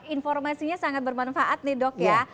informasinya sangat bermanfaat nih dok ya